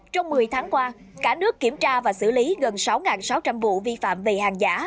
trong một mươi tháng qua cả nước kiểm tra và xử lý gần sáu sáu trăm linh vụ vi phạm về hàng giả